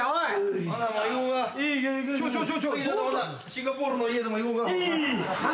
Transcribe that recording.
シンガポールの家でも行こうか。